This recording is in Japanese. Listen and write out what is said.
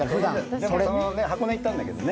箱根行ったんだけどね。